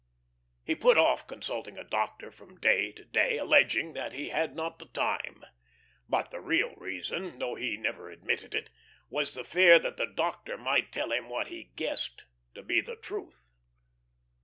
He put off consulting a doctor from day to day, alleging that he had not the time. But the real reason, though he never admitted it, was the fear that the doctor might tell him what he guessed to be the truth.